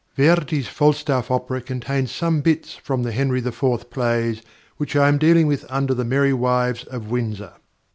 Verdi's Falstaff opera contains some bits from the Henry IV. plays which I am dealing with under The Merry Wives of Windsor.